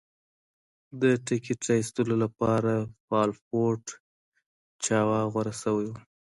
د ټکټ را ایستلو لپاره فالوټ چاواوا غوره شوی و.